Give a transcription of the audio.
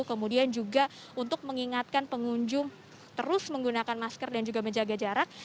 kemudian juga untuk mengingatkan pengunjung terus menggunakan masker dan juga menjaga jarak